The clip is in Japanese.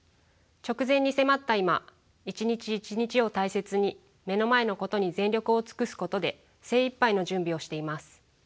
直前に迫った今一日一日を大切に目の前のことに全力を尽くすことで精いっぱいの準備をしています。